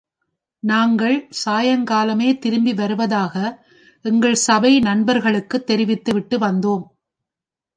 நாங்கள் சாயங்காலமே திரும்பி வருவதாக எங்கள் சபை நண்பர்களுக்குத் தெரிவித்துவிட்டு வந்தோம்.